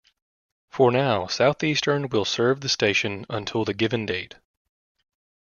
For now Southeastern will serve the station until the given date.